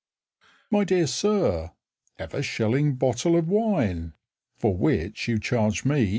My dear Sir, Have a shilling bottle of wine (For which you charge me 3s.